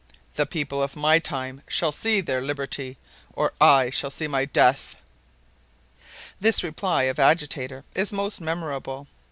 The people of my time shall see their liberty, or I shall see my death!" This reply of Agitator is most memorable.